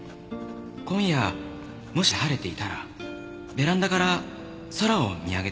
「今夜もし晴れていたらベランダから空を見上げてごらん」